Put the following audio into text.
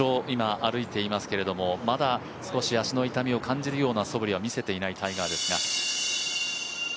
今歩いていますけれども、まだ少し足の痛みを感じるようなそぶりは見せていないタイガーですが。